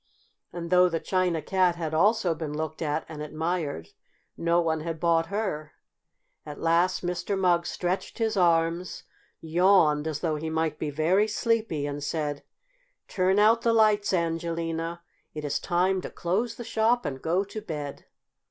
And though the China Cat had also been looked at and admired, no one had bought her. At last Mr. Mugg stretched his arms, yawned as though he might be very sleepy, and said: "Turn out the lights, Angelina! It is time to close the shop and go to bed."